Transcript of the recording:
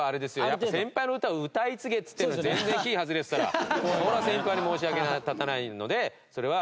やっぱ先輩の歌を歌い継げっつってるのに全然キー外れてたらそりゃ先輩に申し訳が立たないのでそれは。